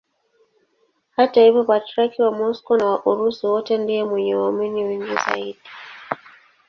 Hata hivyo Patriarki wa Moscow na wa Urusi wote ndiye mwenye waamini wengi zaidi.